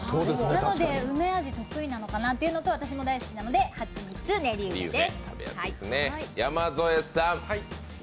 なので梅味が得意なのかなというのと、私も大好きなので、はちみつねり梅です。